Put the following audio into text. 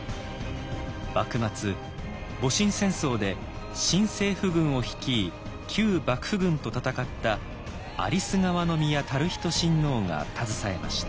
幕末戊辰戦争で新政府軍を率い旧幕府軍と戦った有栖川宮熾仁親王が携えました。